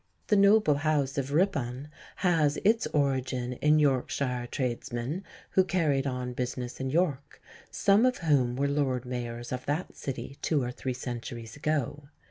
The noble house of Ripon has its origin in Yorkshire tradesmen who carried on business in York, some of whom were Lord Mayors of that city two or three centuries ago.